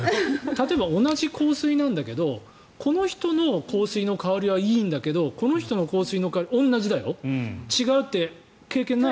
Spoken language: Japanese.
例えば同じ香水なんだけどこの人の香水の香りはいいんだけどこの人の香水の香り同じだよ違うって経験、ない？